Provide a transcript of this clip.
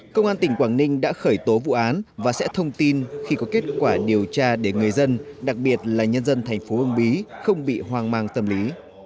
công an tỉnh quảng ninh đã khởi tố vụ án và sẽ thông tin khi có kết quả điều tra để người dân đặc biệt là nhân dân thành phố uông bí không bị hoang mang tâm lý